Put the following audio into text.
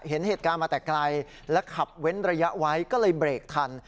เห็นเหตุการณ์มาแต่ไกลและขับเว้นระยะไว้ก็เลยเบรกทัน